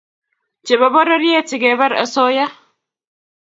chepo pororiet sikepar osoya